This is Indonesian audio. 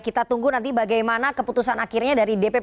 kita tunggu nanti bagaimana keputusan akhirnya dari pak prabowo